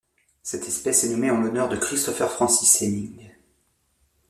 Cette espèce est nommée en l'honneur de Christopher Francis Hemming.